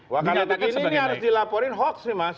wah kalau begini harus dilaporin hoax nih mas